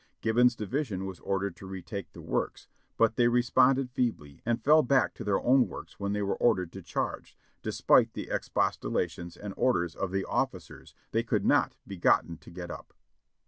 Gibbon's division was ordered to retake the works, but they responded feebly, and fell back to their own works when they were ordered to charge ; despite the expostulations and orders of the officers they could not be gotten to get up.